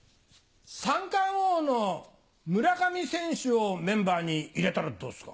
三冠王の村上選手をメンバーに入れたらどうっすか？